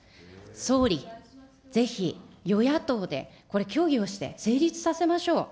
総理、ぜひ与野党で、これ、協議をして、成立させましょう。